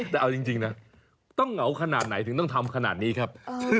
แต่เอาจริงนะต้องเหงาขนาดไหนถึงต้องทำขนาดนี้ครับ